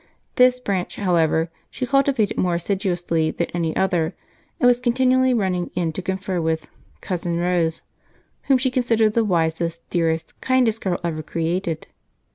This branch, however, she cultivated more assiduously than any other and was continually running in to confer with "Cousin Rose," whom she considered the wisest, dearest, kindest girl ever created.